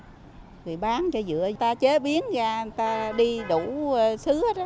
người bán cho dựa người ta chế biến ra người ta đi đủ sứ hết đó